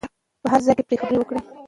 په هر ځای کې پرې خبرې وکړو.